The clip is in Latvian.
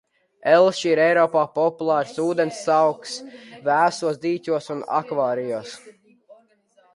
Elši ir Eiropā populārs ūdensaugs vēsos dīķos un akvārijos.